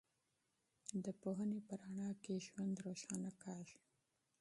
د پوهنې په رڼا کې ژوند روښانه کېږي.